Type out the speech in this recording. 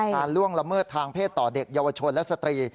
ล่วงละเมิดทางเพศต่อเด็กเยาวชนและสตรี